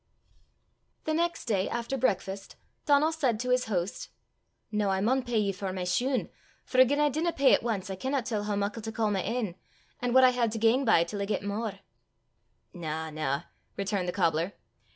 The next day, after breakfast, Donal said to his host "Noo I maun pey ye for my shune, for gien I dinna pey at ance, I canna tell hoo muckle to ca' my ain, an' what I hae to gang by till I get mair." "Na, na," returned the cobbler.